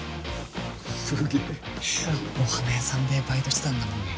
すげえお花屋さんでバイトしてたんだもんね